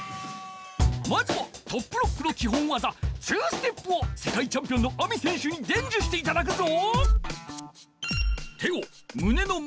まずはトップロックのきほんわざ２ステップをせかいチャンピオンのＡＭＩ選手にでんじゅしていただくぞ！